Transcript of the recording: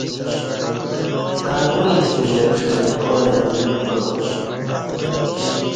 کَکُعیں شترے پݜی کارہ دی گیو کعا